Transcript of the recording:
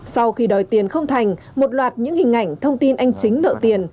sau khi đòi tiền không thành một loạt những hình ảnh thông tin anh chính nợ tiền